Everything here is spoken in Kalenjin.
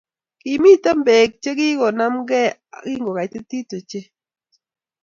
Kimito beek chegigonamgei kingogaitit ochei